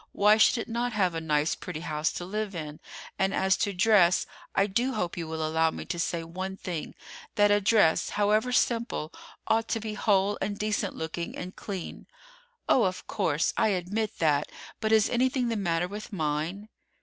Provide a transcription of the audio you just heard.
Why should it not have a nice, pretty house to live in? And as to dress, I do hope you will allow me to say one thing: that a dress, however simple, ought to be whole and decent looking and clean." "Oh, of course, I admit that; but is anything the matter with mine?"